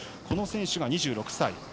この選手が２６歳。